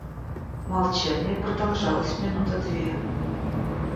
Молчание продолжалось минуты две.